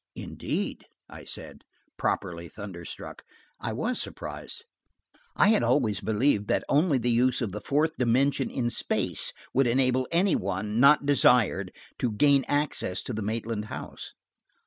"Indeed!" I said, properly thunderstruck. I was surprised. I had always believed that only the use of the fourth dimension in space would enable any one, not desired, to gain access to the Maitland house.